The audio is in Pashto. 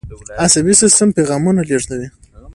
عصبي سیستم پیغامونه لیږدوي